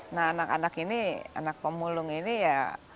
nah anak anak ini anak pemulung ini ya